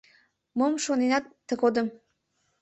Мом шоненат тыгодым?